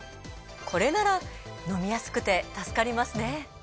これなら飲みやすくて助かりますね。